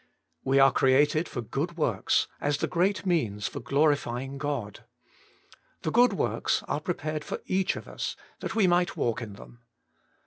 We are created for good works, as the great means for glorifying God. The good works are prepared for each of us, that we might walk in them.